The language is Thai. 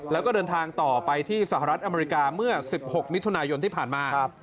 แล้วก็เดินทางต่อไปที่สหรัฐอเมริกาเมื่อ๑๖มิถุนายนที่ผ่านมา